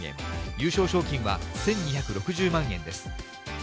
優勝賞金は１２６０万円です。